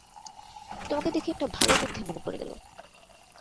তোমাকে দেখি একটা ভালো বুদ্ধি মনে পড়ে গেল।